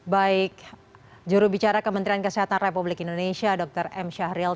baik jurubicara kementerian kesehatan republik indonesia dr m syahril